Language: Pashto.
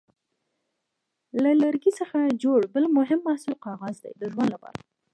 له لرګي څخه جوړ بل مهم محصول کاغذ دی د ژوند لپاره.